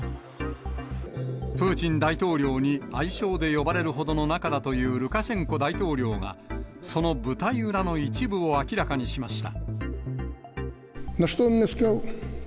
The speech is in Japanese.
プーチン大統領に愛称で呼ばれるほどの仲だというルカシェンコ大統領が、その舞台裏の一部を明らかにしました。